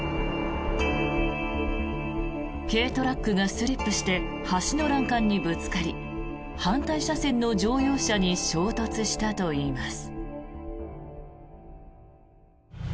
軽トラックがスリップして橋の欄干にぶつかり反対車線の乗用車に衝突したといいます。